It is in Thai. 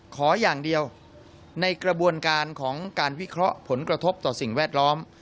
ขออย่างเดียวในกระบวนการของการวิเคราะห์ผลกระทบต่อสิ่งแวดล้อม